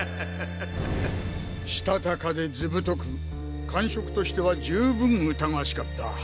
現在したたかで図太く感触としては十分疑わしかった。